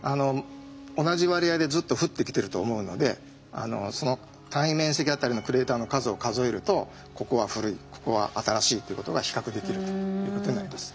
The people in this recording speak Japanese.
同じ割合でずっと降ってきてると思うのでその単位面積あたりのクレーターの数を数えるとここは古いここは新しいっていうことが比較できるということになります。